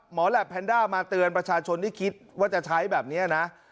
แหลปแพนด้ามาเตือนประชาชนที่คิดว่าจะใช้แบบนี้นะ